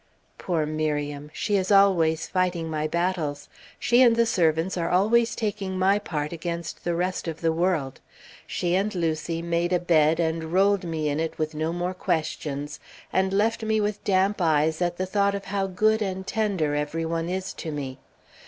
Poor Miriam! She is always fighting my battles. She and the servants are always taking my part against the rest of the world.... She and Lucy made a bed and rolled me in it with no more questions, and left me with damp eyes at the thought of how good and tender every one is to me.